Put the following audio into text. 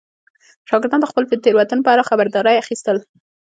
شاګردان د خپلو تېروتنو په اړه خبرداری اخیستل.